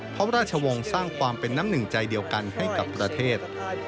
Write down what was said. พระราชวงศ์สร้างความเป็นน้ำหนึ่งใจเดียวกันให้กับประเทศ